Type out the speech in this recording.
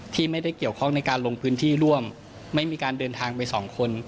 ไม่ได้เกี่ยวข้องในการลงพื้นที่ร่วมไม่มีการเดินทางไปสองคน